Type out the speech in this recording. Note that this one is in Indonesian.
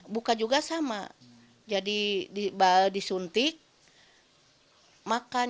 buka juga sama jadi disuntik makan